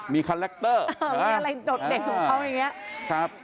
มีคาแรคเตอร์มีอะไรโดดเด่นของเขาอย่างนี้